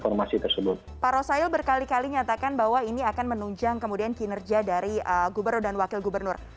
pak rosail berkali kali nyatakan bahwa ini akan menunjang kemudian kinerja dari gubernur dan wakil gubernur